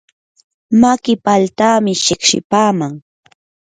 maki paltami shiqshipaaman.